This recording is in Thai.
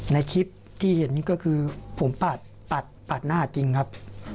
ในคลิปที่เห็นก็คือผมปาดหน้าจริงครับ